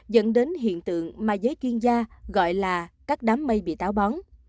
dẫn đến hiện tượng mà giới chuyên gia gọi là các đám mây bị táo bón